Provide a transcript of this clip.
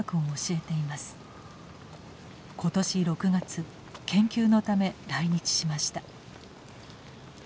今年６月研究のため来日しました。